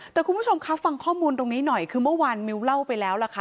แต่คุณผู้ชมคะฟังข้อมูลตรงนี้หน่อยคือเมื่อวานมิวเล่าไปแล้วล่ะค่ะ